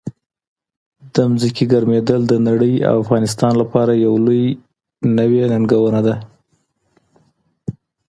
د ځمکې ګرمېدل د نړۍ او افغانستان لپاره یو لوی نوي ننګونه ده.